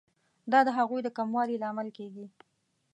دا د هغوی د کموالي لامل کیږي.